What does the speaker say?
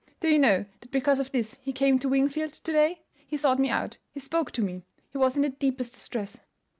Do you know that because of this he came to Wingfield to day? He sought me out; he spoke to me; he was in the deepest distress."